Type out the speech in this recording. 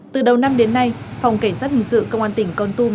từ đầu năm đến nay phòng cảnh sát hình sự công an tỉnh con tum